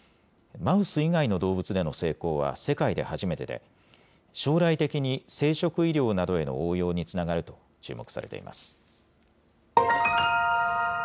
マウス以外での動物での成功は世界で初めてで、将来的に生殖医療などへの応用につながると注目されています。